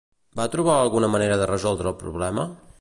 Va trobar alguna manera de resoldre el problema?